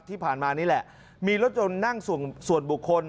ที่ผ่านมานี่แหละมีรถยนต์นั่งส่วนบุคคล